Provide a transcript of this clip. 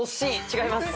違います。